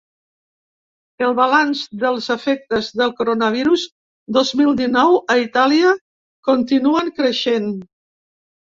El balanç dels efectes del coronavirus dos mil dinou a Itàlia continuen creixent.